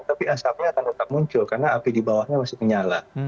tapi asapnya akan tetap muncul karena api di bawahnya masih menyala